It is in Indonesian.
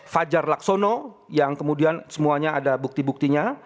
fajar laksono yang kemudian semuanya ada bukti buktinya